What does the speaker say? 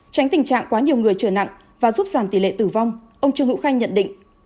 tránh tình trạng quá nhiều người trở nặng và giúp giảm tỷ lệ tử vong ông trương hữu khanh nhận định